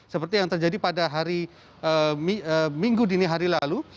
seperti yang terjadi pada hari minggu dini hari lalu